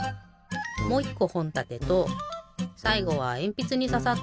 もう１こほんたてとさいごはえんぴつにささった